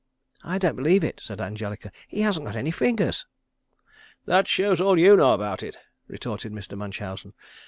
"I don't believe it," said Angelica, "he hasn't got any fingers." "That shows all you know about it," retorted Mr. Munchausen.